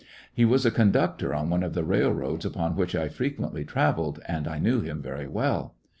He was a conductor on one of the railroads upon which I frequently travelled, and I knew him very well.